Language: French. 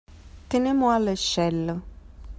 Tenez-moi l’échelle !